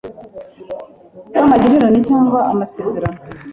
bwa magirirane cyangwa amasezerano